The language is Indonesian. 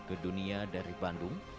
ke dunia dari bandung